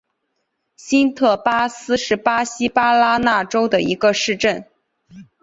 新特巴斯是巴西巴拉那州的一个市镇。